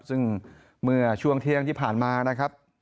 ซึ่งเมื่อช่วงเที่ยงที่ผ่านมานะครับ